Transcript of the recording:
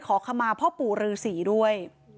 ขอขมาพ่อปู่ฤษีด้วย